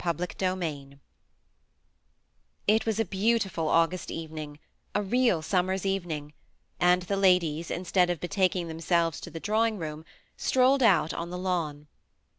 96 CHAPTER XVL It was « beautiful August evening >*^ a real som mer's evening — and the ladies, instead of betaking themselves to the drawing room, st]*olled out on the kwn.